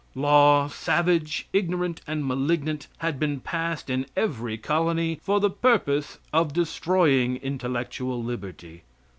Law, savage, ignorant and malignant, had been passed in every colony for the purpose of destroying intellectual liberty.